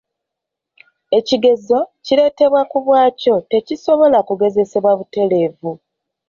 Ekigezeso, kireetebwa ku bwakyo tekisobola kugezesebwa butereevu.